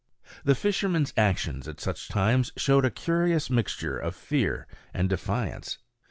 The fishermen's actions at such times showed a curious mixture of fear and defiance.